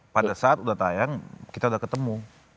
pada saat sudah tayang kita sudah ketemu